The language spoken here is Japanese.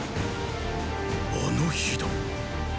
あの日だ。